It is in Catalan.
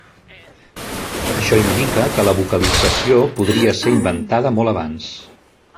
Això indica que la vocalització podria ser inventada molt abans.